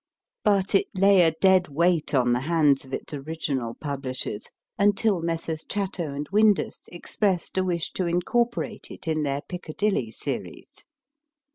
But it lay a dead weight on the hands of its original publishers, until Messrs. Chatto & Windus expressed a wish to incorporate it in their Piccadilly Series.